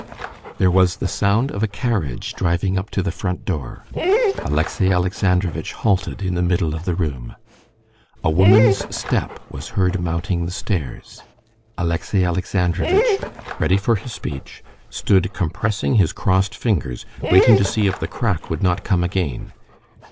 There was the sound of a carriage driving up to the front door. Alexey Alexandrovitch halted in the middle of the room. A woman's step was heard mounting the stairs. Alexey Alexandrovitch, ready for his speech, stood compressing his crossed fingers, waiting to see if the crack would not come again.